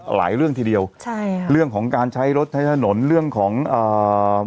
หลายเรื่องทีเดียวใช่ค่ะเรื่องของการใช้รถใช้ถนนเรื่องของอ่า